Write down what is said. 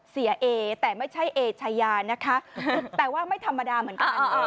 เอแต่ไม่ใช่เอชายานะคะแต่ว่าไม่ธรรมดาเหมือนกัน